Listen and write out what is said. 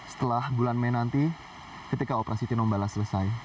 setelah bulan mei nanti ketika operasi tinombala selesai